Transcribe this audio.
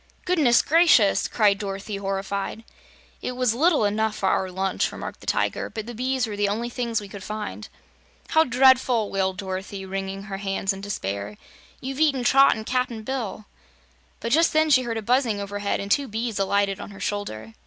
"Goodness gracious!" cried Dorothy horrified. "It was little enough for our lunch," remarked the Tiger, "but the bees were the only things we could find." "How dreadful!" wailed Dorothy, wringing her hands in despair. "You've eaten Trot and Cap'n Bill." But just then she heard a buzzing overhead and two bees alighted on her shoulder.